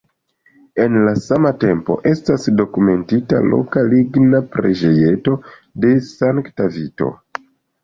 En la sama tempo estas dokumentita loka ligna preĝejeto de sankta Vito.